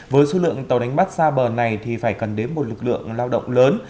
với số lượng tàu đánh bắt xa bờ này thì phải cần đến một lực lượng lao động lớn